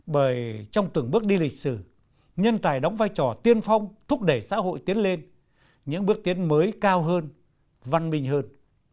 bởi trong từng bước đi lịch sử nhân tài đóng vai trò tiên phong thúc đẩy xã hội tiến lên những bước tiến mới cao hơn văn minh hơn